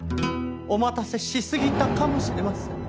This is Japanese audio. お待たせしすぎたかもしれません。